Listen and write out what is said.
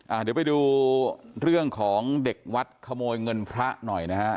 เดี๋ยวไปดูเรื่องของเด็กวัดขโมยเงินพระหน่อยนะฮะ